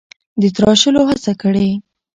د تراشلو هڅه کړې: